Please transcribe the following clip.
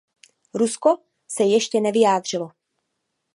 Rusko se ještě nevyjádřilo.